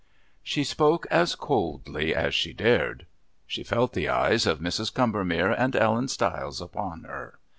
She spoke as coldly as she dared. She felt the eyes of Mrs. Combermere and Ellen Stiles upon her.